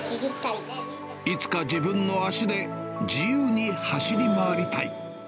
いつか自分の足で自由に走り回りたい。